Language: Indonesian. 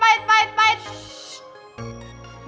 gimana sih lu